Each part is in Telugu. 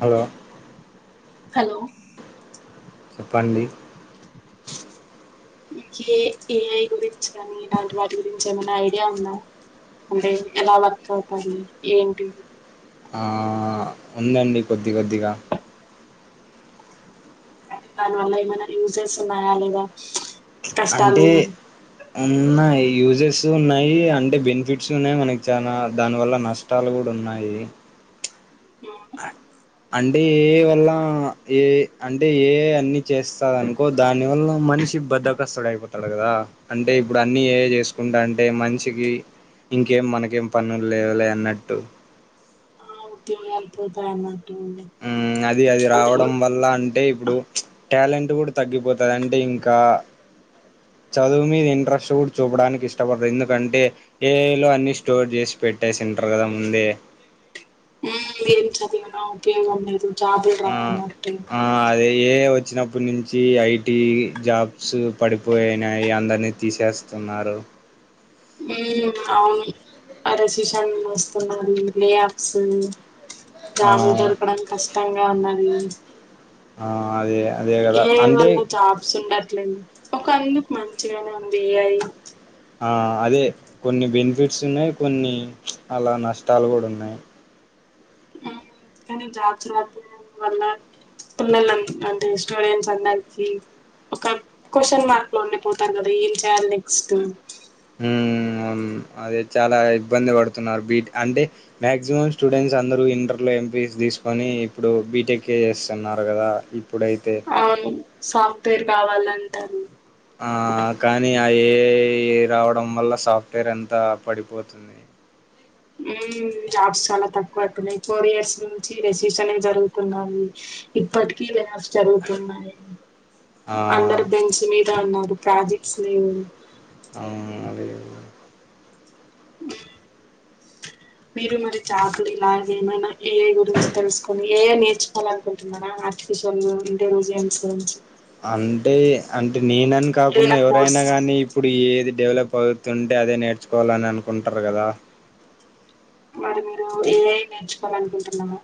హలో హలో ప్పండి ఏ ఏఐ గురించి కానీ ఇలాంటి వాటి గురించి ఏమైనా ఐడియా ఉందా అంటే ఎలా వర్క్ అవుతా ఏంటి ఉందండి కొద్ది కొద్దిగా దాని వల్ల ఏమైనా యూసెస్ ఉన్నాయా లేద అంటే ఒన్నాయి యూజెస్ ఉన్నాయి అంటే బెనిఫిట్స్ ఉన్నాయి మనకి చాలా దానివల్ల నష్టాలు కూడా ఉన్నాయి అంటే ఏ వల్ల ఏ అంటే ఏ అన్ని చేస్తారు అనుకో దాని వల్ల మనిషి బద్రకస్తుడు అయిపోతాడు కదా అంటే ఇప్పుడు అన్ని ఏ చేసుకుంటా అంటే మనిషికి ఇంకేం మనకేం పనులు లేవలే అన్నట్టు టి అపోతాన్నా అది అది రావడం వల్ల అంటే ఇప్పుడు టాలెంట్ కూడా తగ్గిపోతుంది అంటే ఇంకా చదువు మీద ఇంట్రెస్ట్ కూడా చూపడానికి ఇష్టపడుతుంది ఎందుకంటే ఏ ఏలో అన్నీ స్టోర్ చేసి పెట్టేసింటారు కదా ముందే ది ఆ ఉపయోగ అ లేదు చాపడవన్నంటే ఇచ్చినప్పటి నుంచి ఐటీ జాబ్స్ పడిపోయినాయి అందరినీ తీసేస్తున్నారు అవును అరసిషన్ వస్తున్నారుది లేఅప్స్ ఆ జమిీ దలపడానికి కష్టం కష్టంగా ఉన్న ఆ అదే అదే కదా అంటే ఏవల జాబ్స్ ఉండట్లేదు ఒక అందుకు మంచిగానే ఉంది ఏ అయి ఆ అదే కొన్ని బెనిఫిట్స్ ఉన్నాయి కొన్ని అలా నష్టాలు కూడా ఉన్నాయి కానీ జాచ రాడం వల్ల పిల్లల అంటే స్టూడెంట్స్ అందరికి ఒక క్వశ్చన్ మార్క్ లో ఉండి పోతారు కదా ఏం చేయాలి నెక్స్ట్ అదే చాలా ఇబ్బంది పడుతున్నారు బీ అంటే మ్యాక్సిమం స్టూడెంట్స్ అందరూ ఇంటర్లో ఎంపీస్ తీసుకొని ఇప్పుడు బీటెక్ే చేస్తున్నారు కదా ఇప్పుడైతే ఆ సాఫ్ట్వేర్ కావాలంటారు ఆ కానీ ఆ ఏ రావడం వల్ల సాఫ్ట్వేర్ ఎంత పడిపోతుంది జాబ్స్ చాలా తక్కువ అవుతున్నాయి ఫోర్ ఇయర్స్ నుంచి రెసషన్ జరుగుతున్నాయి ఇప్పటికీ లే ఆఫ్ జరుగుతున్నాయి ఆ అందరు బెంచ మీద అన్నారు ప్రాజెక్ట్స్ న అ మీరు మరి చేాతులు ఇలాగ ఏమైనా ఏ ఏ గురించి తెలుసుకొని ఏయ నేర్చుకోవాలి అనుకుంటున్నారా ఆర్టిఫిషియల్ ఇంటెలిజెన్స్ గురించి అంటే అంటే నేనని కాకుండా ఏదైనా కోర్స్ ఎవరైనా కానీ ఇప్పుడు ఏది డెవలప్ పొదువుతుంటే అదే నేర్చుకోవాలని అనుకుంటారు కదా మరి మీరు ఏఐ నేర్చుకోవాలి అనుకుంటున్నామా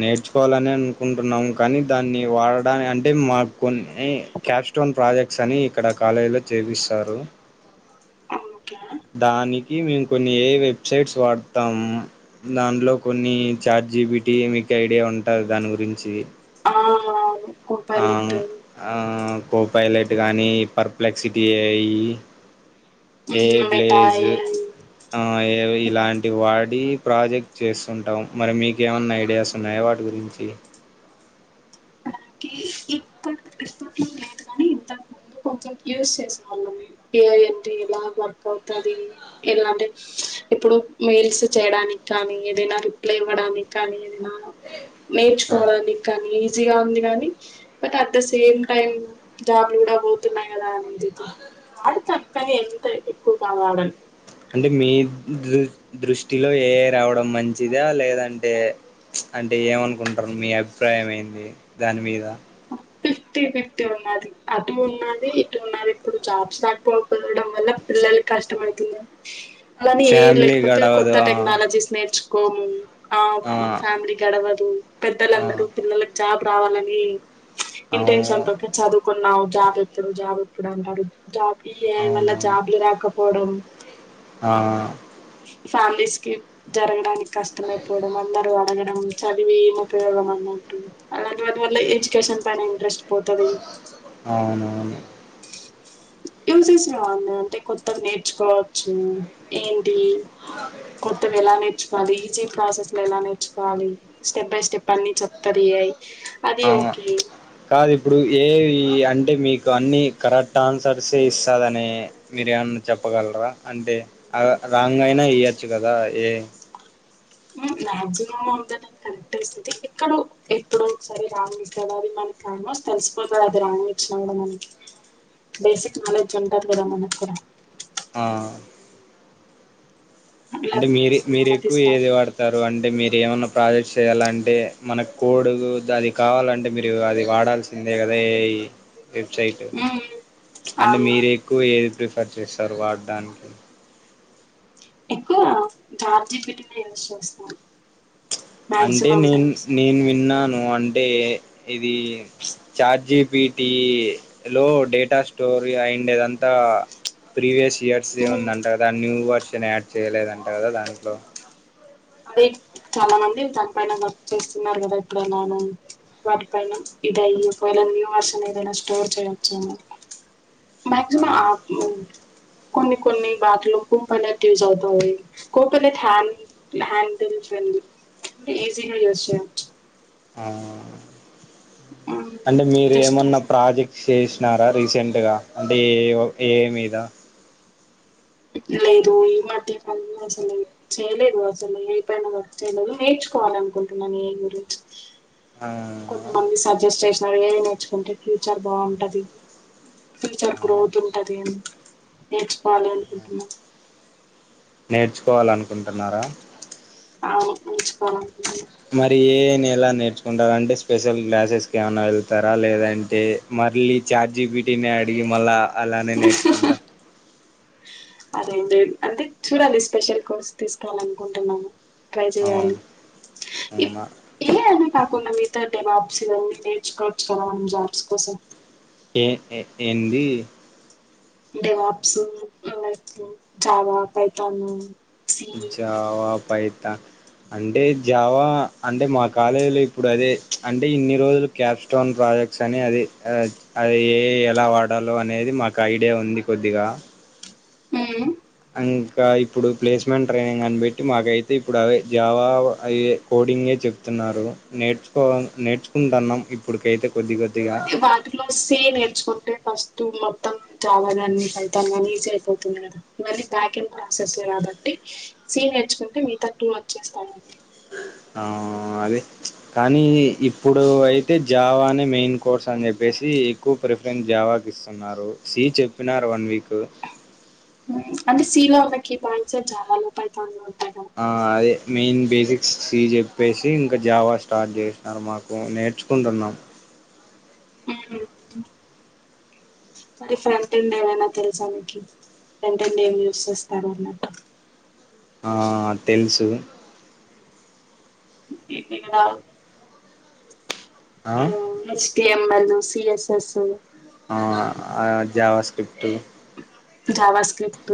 నేర్చుకోవాలని అనుకుంటున్నాము కానీ దాన్ని వాడడానికి అంటే మాకు కొన్ని క్యాప్ స్టోన్ ప్రాజెక్ట్స్ అని ఇక్కడ కాలేజీలో చేపిస్తారు ఓకే దానికి మేము కొన్ని ఏ వెబ్సైట్స్ వాడతాము దాంట్లో కొన్ని చార్ జీబిటి మీకు ఐడియా ఉంటుంది దాని గురించి ఆ కోప్పయిలట్ కో పైలైట్ గానీ పర్ప్లెక్సిటీ అ ఉమ్ ఏజ్ ఇలాంటి వాటి అడీ ప్రాజెక్ట్ చేస్తుంటాం మరి మీకేమన్నా ఐడియాస్ ఉన్నాయా వాటి గురించి అలాే ఇప్ప రంగ్ లేదు కానీ ఇంతకు ముందు కొంచెం యూజ చేసే వాళ్ళం ఏఐ అంటే ఎలా వర్క్ అవుతుది ఎలా అంటే ఎప్పుడు మెయిల్స్ చేయడానికి కానీ ఏదైనా రిప్లై ఇవ్వడానికి కానీ ఏదైనా నేర్చుకోవడానికి కానీ బిజీగా ఉంది కానీ but at the same time జాబ్లు కూడా పోతున్నాయి కదా అనేది వాడు తక్కని ఎంత ఎక్కువ కా వాడని అంటే మీ దృ దృష్టిలో ఏఐ రావడం మంచిదా లేదంటే అంటే ఏమనుకుంటారు మీ అభిప్రాయం ఏంది దాని మీద ఫిఫ్టీ ఫిఫ్టీ ఉన్నది అటు ఉన్నది ఇటు ఉన్నది ఇప్పుడు జాబ్స్ లేకపోవడం వల్ల పిల్లల కష్టం అయితుంది అలాని ఏఐ ఫ్యామిలీ లేకపోతే గడవదు కొత్త ఆ టెక్నాలజీస్ నేర్చు కో ఆ ఫ్యామిలీ గడవదు ఆ పెద్దలందరూ పిల్లలకు జాబ్ రావాలని అవును ఇంటెన్షన్ ప్రక్క చదువుకు నావు జాబ్ ఎప్పుడు జాబ్ ఎప్పుడు అంటడు జాబ్ వల్ల అవునవును జాబ్లు రాకపోవడం ఆ ఫ్యామిలీస్ కి జరగడానికి కష్టమయిపోవడం అన్నారు ఆ చదివి ఏం ఉపయోగం అన్నట్టు అలాంటి వా వల్ల ఎడ్యుకేషన్ పైన ఇంట్రెస్ట్ పోతది. అవునవును [unintelligible] అంట కొత్తగా నేర్చుకోవచ్చు అ కొత్త వెలానే చాల ఈజీ ప్రాసెస్ లో ఎలా నేర్చుకోవాలి స్టెప్ బై స్టెప్ అన్ని చెప్తారు అదీ అవును ఓకే కాదు ఇప్పుడు ఏఐ అంటే మీకు అన్నీ కరెక్ట్ ఆన్సర్సే ఇస్తుదని మీరు ఏమన్నా చెప్పగలరా అంటే రాంగ్ అయినా ఇయ్యచ్చు కదా ఏఐ మాక్సిమమ్ అంద కరెక్టే అస్తుంది ఎక్కడ ఎప్పుడు ఒకసారి రా కదా అది మనకి రామో తెలిసిపోతు అది రాను ఇచ్చినా కూడా మనకి బేసిక్ నాలెడ్జ్ ఉంటది కదా మనకు ఆ ఇలా అంటే మీర కోర్స్ మీరు ఏమైనా ఎక్కువ తీసుకోవాలి ఏది వాడతారు అంటే మీరు ఏమన్నా ప్రాజెక్ట్స్ చేయాలంటే మనకు కోడు అది కావాలంటే మీరు అది వాడాల్సిందే కదా వెబ్సైట్ మ్మ్ అంటే అవును మీరు ఎక్కువ ఏ ప్రిఫర్ చేస్తారు వాడడానికి ఎక్కువ చాట్ జీపీటీ యూజ చేస్తారు అంటే నేను నేను విన్నా అంటే ఇది చాట్ జీపిటి లో డేటా స్టోర్ అయిండేదంతా ప్రీవియస్ ఇయర్స్ ఏ మ్మ్ ఉందింటారు కా న్యూ వర్స్ చ్చ యాడ్ చేయలేదంట కదా దాంట్లో అదే చాలా మంది దానిపైన వర్క్ చేస్తున్నారు కదా ఇప్పుడైనను వాటి పైన ఇది అయి ఒకవేళ న్యూ వర్షన్ ఏదైనా స్టోర్ చేయొచ్చని ఆ మ్యాక్సిమమ్ కొన్ని కొన్ని బాట్లు కుంపనేటు యూజ్ అవుతాయి కోపనెట్ హ్యాన్ హ్యాండిల్ ఈజీగా యూస్ చేయచ్చు ఆ అంటే మీరు జస్ట్ ఏమన్నా ప్రాజెక్ట్ చేస్ న్నారా రీసెంట్గా అంటే ఏ ఓ ఎ ఐ మీద లేదు ఈ మధ్య క అసలు చేయలేదు అసలు ఏ పైన వర్క్ చేయలేదు నేర్చుకోవాల అనుకుంటున్నాను ఏ ఐ గురించి ఆ కొంతమంది సజెస్ట్ చేసినారు ఏ ఐ నేర్చుకుంటే ఫ్యూచర్ బాగుంటది ఫ్యూచర్ ఆ గ్రోత్ ఉంటది నేర్చుకోవాలి అనుకుంటున్నా నేర్చుకోవాలనుకుంటున్నారా అవును నేర్చుకోవాలన్ మరి నెలా నేర్చుకుంటరండి స్పెషల్ గ్లాసెస్కి ఏమన్నానా వెళ్తారా లేదంటే మళ్ళీ చార్జీబిటీ అడిగి మళ్ళా అలానే నేర్చుకుంటా అదేలేద్ అంటే చూడాలి స్పెషల్ కోర్స్ తీసుకోవాలి అనుకుంటున్నాను ట్రై చేయాలి అవును ఇ అవునా ఏ అని కాకున్నా మీత [unintelligible] నేర్చుకోవచ్చు కదా ఏం జాబ్స్ కోసం ఏ ఏ ఏంది [unintelligible] జావా పయి అంటే జావా అంటే మా కాలేజీలో ఇప్పుడు అదే అంటే ఇన్ని రోజులు క్యాప్స్టోన్ ప్రాజెక్ట్స్ అని అది అద ఏ ఐ ఎలా వాడాలో అనేది మాకు ఐడియా ఉంది కొద్దిగా ఉం ఇంకా ఇప్పుడు ప్లేస్మెంట్ ట్రైనింగ్ అని పెట్టి మాకైతే ఇప్పుడు అవే జావా అవి కోడింగే చెప్తున్నారు నేర్చుకో నేర్చుకుంటున్నాం ఇప్పుడుకైతే కొద్ది కొ వాటిలో సీ నేర్చుకుంటే ఫస్ టూ మొత్తం జావా గాని పైతాన్ గానీ ఈజీ అయిపోతుంది కదా ఇవన్నీ ప్యాక్ంగ్ ప్రాసెస్ కాబట్టి సీ నేర్చుకుంటే మిగితా టు వచ్చేస్తాయి అదే కానీ ఇప్పుడు అయితే జావా నే మెయిన్ కోర్స్ అని చెప్పేసి ఎక్కువ ప్రిఫరెన్స్ జావాకి ఇస్తున్నారు సి చెప్పినారు వన్ వీక్ అంటే సీలో ఉన్న కీ పాయింట్స్ ఏ చాలా లోపయితాన్ ఆ అదే మెయిన్ బే సిక్స్ సి చెప్పేసి ఇంకా జావా స్టార్ట్ చేసినారు మాకు నేర్చుకుంటున్నాం మరి ఫ్రెంట్ అండ్ ఏమైనా తెలుసామికి ఫ్రెం అండ్ ఏమి యూస్ చేస్తారు అన్నట్టు ఆ తెలుసు ఏ ఎలా ఆ థి M L CSS JavaScript JavaScript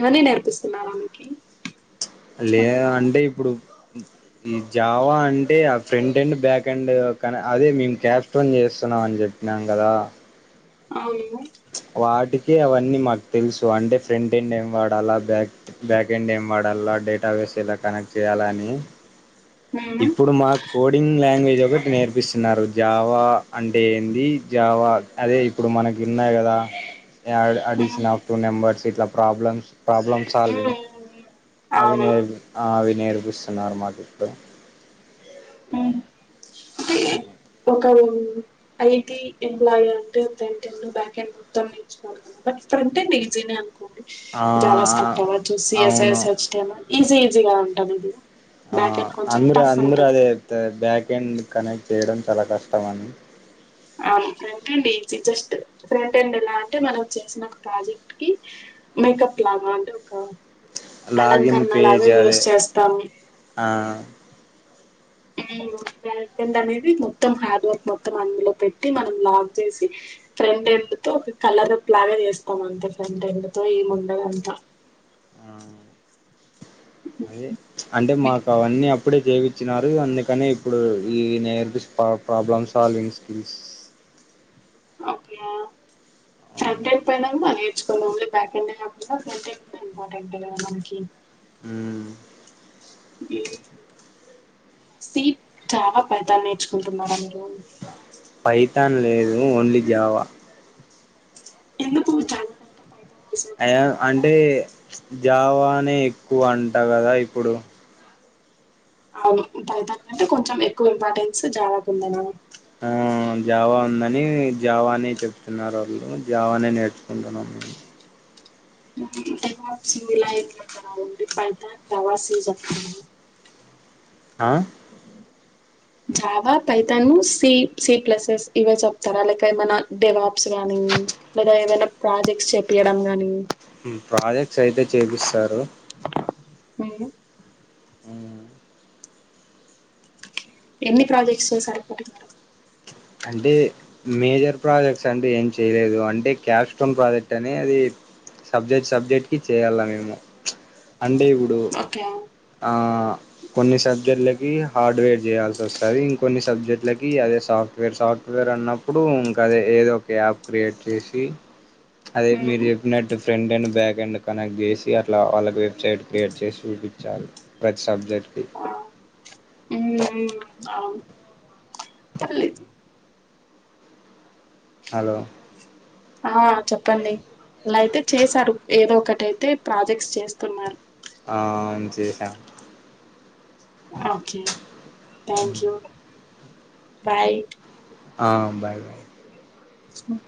ఇవన్నీ నేర్పిస్తున్నార మీకి లే నేర్చుకుంటున్నారా అంటే ఇప్పుడు ఈ జావా అంటే, ఆ ఫ్రంట్ అండ్ బ్యాక్ అండ్ కన అదే మేము క్యాబ్ స్టోన్ చేస్తున్నాం అని చెప్పినాం కదా. అవును వాటి కే అవన్నీ మాకు తెలుసు అంటే ఫ్రంట్ ఎండ్ ఏం వాడాలా? బ్యాక్ బ్యాక్ ఎండ్ ఏం వాడాలా? డేటాబేస్ ఎలా కనెక్ట్ చేయాలని? మ్మ్ ఇప్పుడు మాక్ కోడింగ్ లాంగ్వేజ్ ఒకటి నేర్పిస్తున్నారు. జావా అంటే ఏంది? జావా, అదే ఇప్పుడు మనకి ఉన్నాయి కదా. Add hmm addition of true neighbours. ఇట్లా ప్రాబ్లమ్స్ ప్రాబ్లమ్ సాల్వింగ్ అవి అవును నేర్పు అవి నేర్ ఇస్తున్నారు మాకిప్డు ఒకరూ ఐటి ఎంప్లాయ అంటే, ఫ్రంట్ ఎండ్ బ్యాకేన్డ్ మొత్తం నేర్చు [unintelligible] బట్ ఫ్రంట్ ఎండ్ ఈజీనే అనుకో. ఆ [unintelligible] చూసి అవును ఫస్ట్ ఎమో ఈజీ ఈజీగా తగ్గుద్దిగా ఆ అందరు, అందరు అదే చెప్తరు బ్యాక్ ఎండ్ కనెక్ట్ చేయడం చాలా కష్టం అని ఆ front end easy, just front end ఎలా అంటే మనం చేసిన ఒక ప్రాజెక్ట్ కి మేకప్ లాగా అంటే ఒక లాగిన్ పేజ్ అలంకరణలాగా అదే యూజ్ చేస్తాము. ఆ ఉమ్ బ్యా ఎండ్ అనేది, మొత్తం హార్డ్ వర్క్ మొత్తం అందులో పెట్టి, మనం లాక్ చేసి ఫ్రెండ్ ఎండ్ తొ ఒక కలరప్ లాగా చేస్తమ్ అంతే. ఫ్రెండ్ ఎండ్ తో ఏముండదంతా. అదే, అంటే మాకఅవన్నీ అప్ ఇప్పుడే చేవిచ్చినారు. అందుకని ఇప్పుడు ఈ నేర్డ్ పా ప్రాబ్లమ్ సాల్వింగ్ స్కిల్స్ అ ఓకే యా చర్దక్పోయిన కూడా అదె సో ఓన్లీ బ్యాక్ కెమెరా కాకుండా, ఫ్రంట్ కెమెరా ఇంపార్టెంట్ కదా మనకి. సీ, జావ పెద్ద నేర్చుకుంటున్నావని రోన్ థాన్ లేదు, ఓన్లీ జావా. ఎందుకు [unintelligible] ఈజీ అయా అంటున్నారు అంటే అందరూ జావానే ఎక్కువ అంట కదా ఇప్పుడు? అవును, పైతాన్ కంటే కొంచెం ఎక్కువ ఇంపార్టెన్స్ జావాకు ఉందన్నమా ఆ జావా ఉందని, జావానే చెప్తున్నారాళ్ళు జావానే నేర్చుకుంటున్నాం మేము. [unintelligible] ఆ? Java, Python, C, C pluses ఇవే చెప్తారాలైతే ఏమనా [unintelligible] గాని లేదా ఏమైనా ప్రాజెక్ట్స్ చెప్పియడం గాని ప్రాజెక్ట్స్ అయితే చేపిస్తారు. మీరు హ్ ఎన్ని ప్రాజెక్ట్స్ చెసారు ఇప్పటికీ అంటే మేజర్ ప్రాజెక్ట్స్ అంటే ఏం చేయలేదు. అంటే క్యాప్స్టోన్ ప్రాజెక్ట్ అని అది సబ్జెక్ట్ సబ్జెక్ట్ కి చేయాల మేము. చ్ అంటే ఇ ప్పుడు ఓకే ఆ కొన్ని సబ్జెక్ట్లు కి హార్డ్వేర్ చేయాల్సి వస్తది. ఇంకొన్ని సబ్జెక్ట్ లకి అదే సాఫ్ట్ వేర్ సాఫ్ట్వేర్ అన్నప్పుడు ఇంకా అదే ఏదో ఒక యాప్ క్రియేట్ చేసి అదే మీరు మ్మ్ చెప్పినట్టు front end, back end connect చేసి అట్లా వాళ్ళకి వెబ్సైట్ క్రియేట్ చేసి చూపించాలి ప్రతి సబ్జెక్ట్కి. ఆ మ్మ్ అవును పర్లేదు హలో ఆ చెప్పండి అలా అయితే చేశారు ఏదో ఒకటైతే ప్రాజెక్ట్స్ చేస్తున్నారు. ఆ అవును చేసా. Okay thank you. బాయ్. ఆ బాయ్. హ్